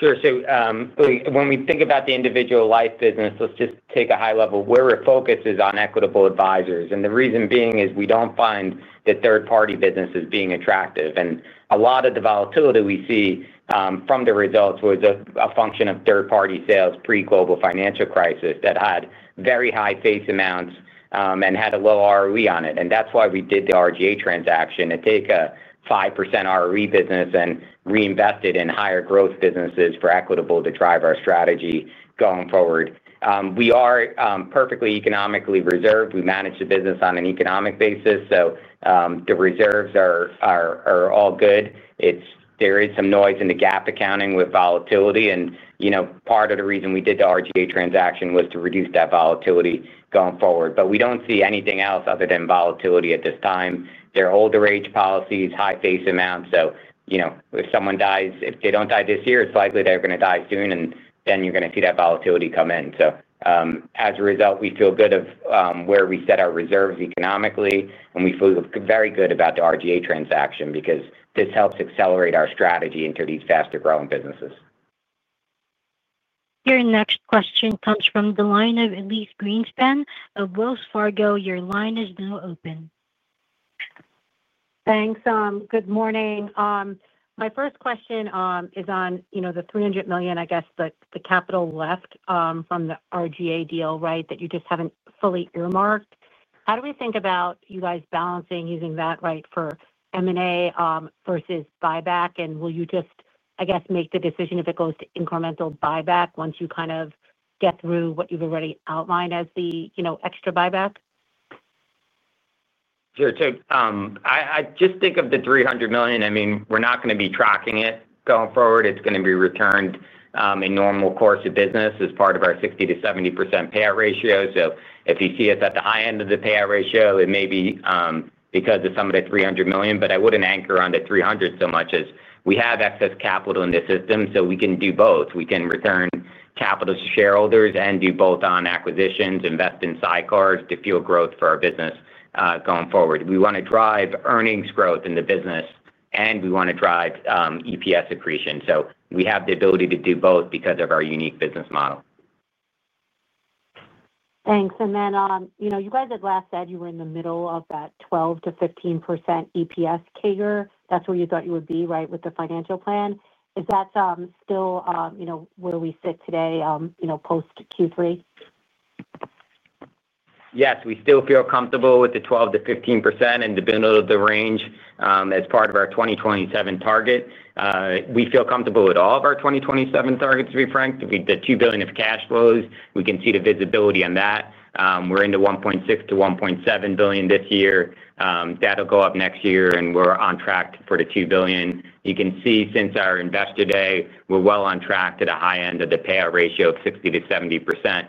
Sure. When we think about the individual life business, let's just take a high level. Our focus is on Equitable Advisors, and the reason being is we do not find that third-party business is attractive. A lot of the volatility we see from the results was a function of third-party sales pre-global financial crisis that had very high face amounts and had a low ROE on it. That is why we did the RGA transaction. It takes a 5% ROE business and reinvests it in higher growth businesses for Equitable to drive our strategy going forward. We are perfectly economically reserved. We manage the business on an economic basis. So the reserves are all good. There is some noise in the GAAP accounting with volatility. Part of the reason we did the RGA transaction was to reduce that volatility going forward. We do not see anything else other than volatility at this time. They are older age policies, high face amounts. If someone dies, if they do not die this year, it is likely they are going to die soon, and then you are going to see that volatility come in. As a result, we feel good about where we set our reserves economically, and we feel very good about the RGA transaction because this helps accelerate our strategy into these faster-growing businesses. Your next question comes from the line of Elyse Greenspan of Wells Fargo. Your line is now open. Thanks. Good morning. My first question is on the $300 million, I guess, that the capital left from the RGA deal, right, that you just have not fully earmarked. How do we think about you guys balancing using that right for M&A versus buyback? And will you just, I guess, make the decision if it goes to incremental buyback once you kind of get through what you have already outlined as the extra buyback? Sure. I just think of the $300 million. I mean, we are not going to be tracking it going forward. It is going to be returned in normal course of business as part of our 60%-70% payout ratio. If you see us at the high end of the payout ratio, it may be because of some of the $300 million. I would not anchor on the $300 million so much as we have excess capital in the system, so we can do both. We can return capital to shareholders and do both on acquisitions, invest in sidecars to fuel growth for our business going forward. We want to drive earnings growth in the business, and we want to drive EPS accretion. We have the ability to do both because of our unique business model. Thanks. You guys had last said you were in the middle of that 125-15% EPS CAGR. That is where you thought you would be, right, with the financial plan. Is that still where we sit today post Q3? Yes. We still feel comfortable with the 12%-15% in the middle of the range as part of our 2027 target. We feel comfortable with all of our 2027 targets, to be frank. The $2 billion of cash flows, we can see the visibility on that. We're into $1.6 billion-$1.7 billion this year. That'll go up next year, and we're on track for the $2 billion. You can see since our investor day, we're well on track to the high end of the payout ratio of 60%-70%,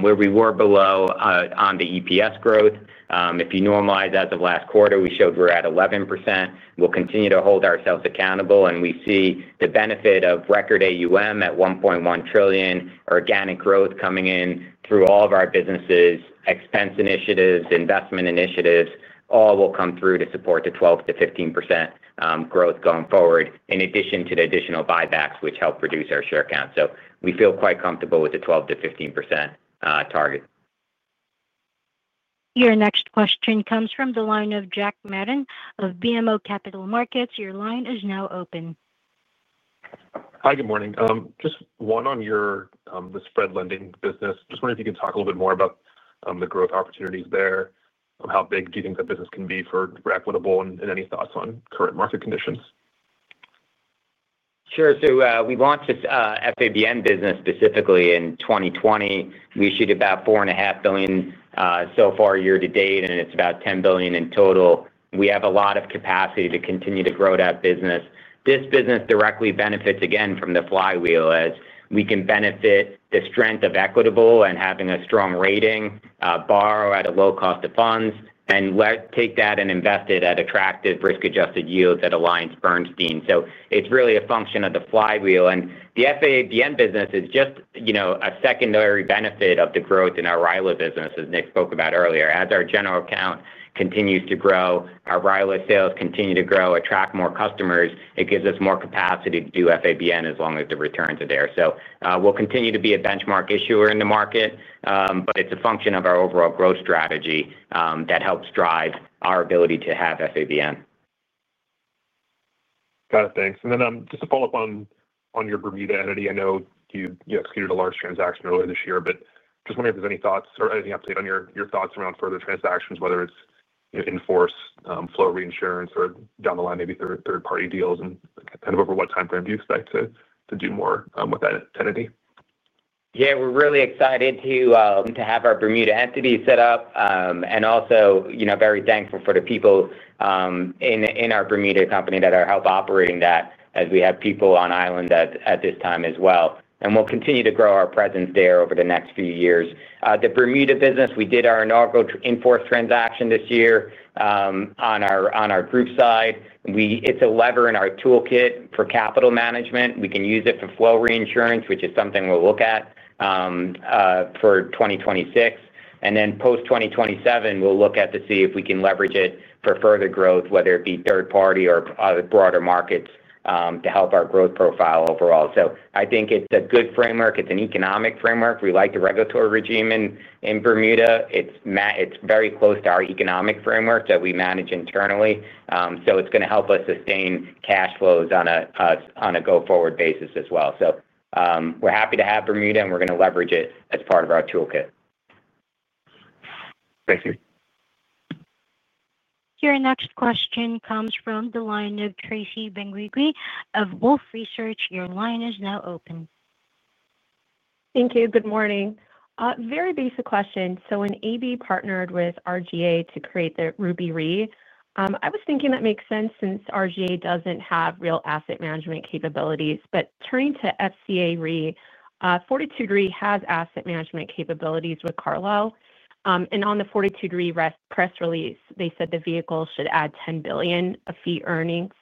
where we were below on the EPS growth. If you normalize as of last quarter, we showed we're at 11%. We'll continue to hold ourselves accountable. We see the benefit of record AUM at $1.1 trillion, organic growth coming in through all of our businesses, expense initiatives, investment initiatives, all will come through to support the 12%-15% growth going forward, in addition to the additional buybacks, which help reduce our share count. So we feel quite comfortable with the 12%-15% target. Your next question comes from the line of Jack Madden of BMO Capital Markets. Your line is now open. Hi. Good morning. Just one on the spread lending business. Just wondering if you can talk a little bit more about the growth opportunities there, how big do you think the business can be for Equitable, and any thoughts on current market conditions? Sure. We launched this FABN business specifically in 2020. We issued about $4.5 billion so far year to date, and it is about $10 billion in total. We have a lot of capacity to continue to grow that business. This business directly benefits, again, from the flywheel, as we can benefit the strength of Equitable and having a strong rating, borrow at a low cost of funds, and take that and invest it at attractive risk-adjusted yields at AllianceBernstein. It is really a function of the flywheel. The FABN business is just a secondary benefit of the growth in our RILA business, as Nick spoke about earlier. As our general account continues to grow, our RILA sales continue to grow, attract more customers, it gives us more capacity to do FABN as long as the returns are there. We will continue to be a benchmark issuer in the market, but it is a function of our overall growth strategy that helps drive our ability to have FABN. Got it. Thanks. Just to follow up on your Bermuda entity, I know you executed a large transaction earlier this year, but just wondering if there's any thoughts or any update on your thoughts around further transactions, whether it's Enforce, Flow Reinsurance, or down the line, maybe third-party deals. Over what timeframe do you expect to do more with that entity? Yeah. We're really excited to have our Bermuda entity set up and also very thankful for the people in our Bermuda company that are helping operate that as we have people on island at this time as well. We'll continue to grow our presence there over the next few years. The Bermuda business, we did our inaugural Enforce transaction this year. On our group side, it's a lever in our toolkit for capital management. We can use it for Flow Reinsurance, which is something we'll look at for 2026. And then post 2027, we'll look at to see if we can leverage it for further growth, whether it be third-party or broader markets to help our growth profile overall. I think it's a good framework. It's an economic framework. We like the regulatory regime in Bermuda. It's very close to our economic framework that we manage internally. It's going to help us sustain cash flows on a go-forward basis as well. We're happy to have Bermuda, and we're going to leverage it as part of our toolkit. Thank you. Your next question comes from the line of Tracy Benguigui of Wolfe Research. Your line is now open. Thank you. Good morning. Very basic question. When AB partnered with RGA to create the Ruby Re, I was thinking that makes sense since RGA does not have real asset management capabilities. Turning to FCA Re, Fortitude Re has asset management capabilities with Carlyle. On the Fortitude Re press release, they said the vehicle should add $10 billion of fee earnings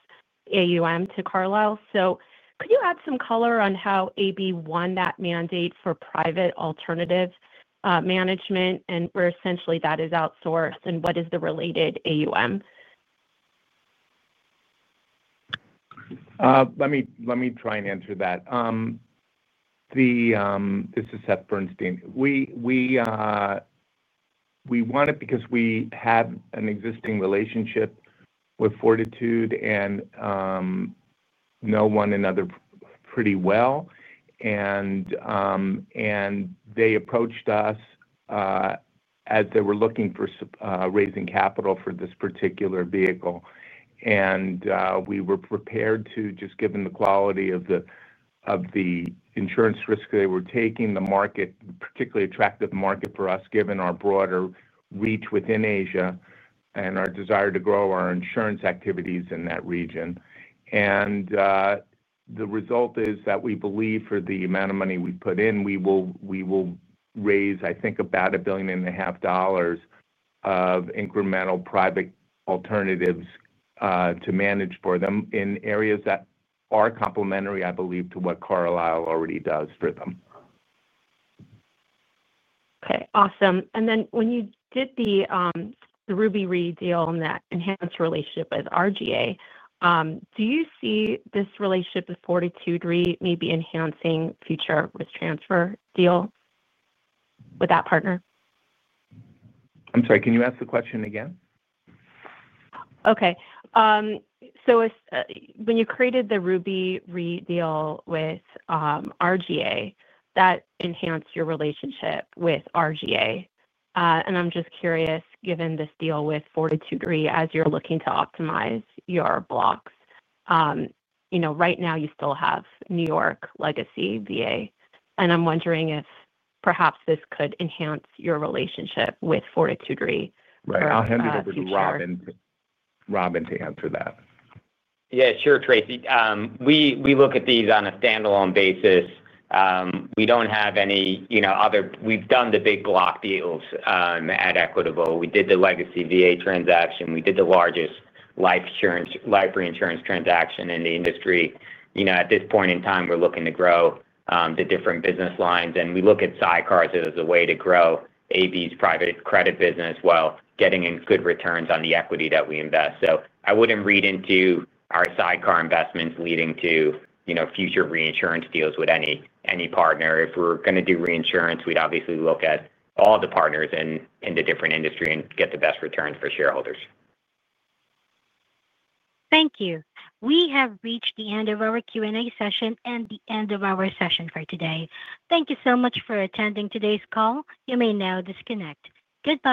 AUM to Carlyle. Could you add some color on how AB won that mandate for private alternative management, and where essentially that is outsourced, and what is the related AUM? Let me try and answer that. This is Seth Bernstein. We won it because we have an existing relationship with Fortitude Re and know one another pretty well. They approached us as they were looking for raising capital for this particular vehicle. We were prepared to, just given the quality of the. Insurance risk they were taking, the market, particularly attractive market for us, given our broader reach within Asia and our desire to grow our insurance activities in that region. The result is that we believe for the amount of money we put in, we will raise, I think, about $1.5 billion of incremental private alternatives to manage for them in areas that are complementary, I believe, to what Carlyle already does for them. Okay. Awesome. When you did the Ruby Re deal and that enhanced relationship with RGA, do you see this relationship with Fortitude Re maybe enhancing future risk transfer deal with that partner? I'm sorry. Can you ask the question again? Okay. When you created the Ruby Re deal with RGA, that enhanced your relationship with RGA. I'm just curious, given this deal with Fortitude Re, as you're looking to optimize your blocks. Right now, you still have New York Legacy VA. I'm wondering if perhaps this could enhance your relationship with Fortitude Re. I'll hand it over to Robin. Robin to answer that. Yeah. Sure, Tracy. We look at these on a standalone basis. We don't have any other—we've done the big block deals at Equitable. We did the Legacy VA transaction. We did the largest life insurance transaction in the industry. At this point in time, we're looking to grow the different business lines. We look at sidecars as a way to grow AB's private credit business while getting in good returns on the equity that we invest. I wouldn't read into our sidecar investments leading to future reinsurance deals with any partner. If we're going to do reinsurance, we'd obviously look at all the partners in the different industry and get the best returns for shareholders. Thank you. We have reached the end of our Q&A session and the end of our session for today. Thank you so much for attending today's call. You may now disconnect. Good.